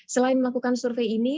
selain melakukan survei ini